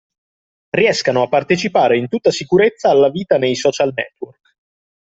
Riescano a partecipare in tutta sicurezza alla vita nei Social Network.